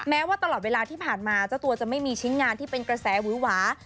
แม้ว่าตลอดเวลาที่ผ่านมาเจ้าตัวจะไม่มีชิ้นงานที่เป็นกระแสหวือหวา